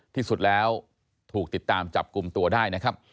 ที่สุดแล้วถูกติดตามจับกลุ่มตัวได้นะครับ